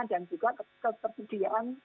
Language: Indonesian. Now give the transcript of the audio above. dan juga ketertudiaan